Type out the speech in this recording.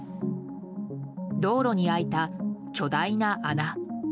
道路に開いた巨大な穴。